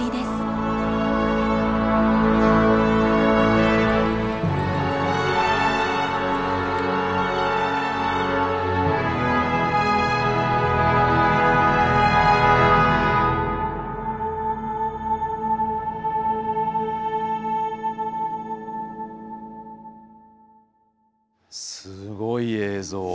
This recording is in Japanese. すごい映像。